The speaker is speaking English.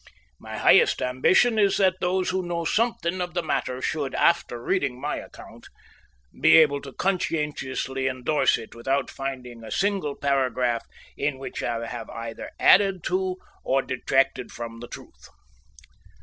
My highest ambition is that those who know something of the matter should, after reading my account, be able to conscientiously indorse it without finding a single paragraph in which I have either added to or detracted from the truth.